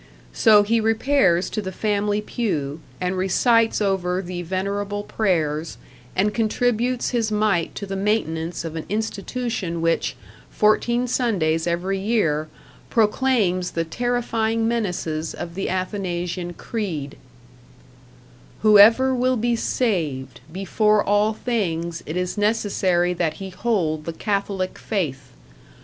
So he repairs to the family pew, and recites over the venerable prayers, and contributes his mite to the maintenance of an institution which, fourteen Sundays every year, proclaims the terrifying menaces of the Athanasian Creed: Whoever will be saved, before all things it is necessary that he hold the Catholick faith.